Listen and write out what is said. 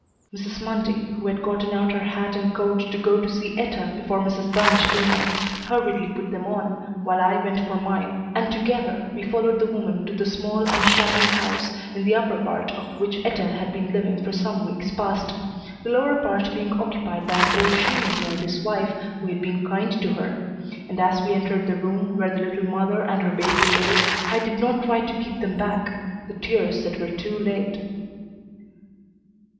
Mrs. Mundy, who had gotten out her hat and coat to go to see Etta before Mrs. Banch came in, hurriedly put them on, while I went for mine, and together we followed the woman to the small and shabby house in the upper part of which Etta had been living for some weeks past; the lower part being occupied by an old shoemaker and his wife who had been kind to her; and as we entered the room where the little mother and her baby lay I did not try to keep them back the tears that were too late.